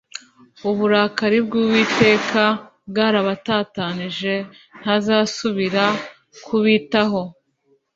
Uburakari bw’Uwiteka bwarabatatanije, Ntazasubira kubitaho.